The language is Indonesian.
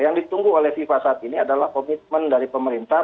yang ditunggu oleh fifa saat ini adalah komitmen dari pemerintah